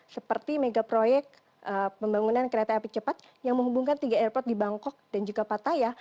seperti megaproyek pembangunan kereta api cepat yang menghubungkan tiga airport di bangkok dan juga pataya